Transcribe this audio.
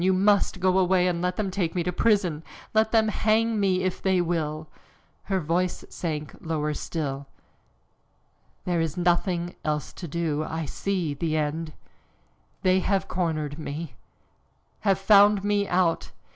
You must go away, and let them take me to prison, let them hang me if they will!" Her voice sank still lower. "There is nothing else to do I see the end. They have cornered me, have found me out!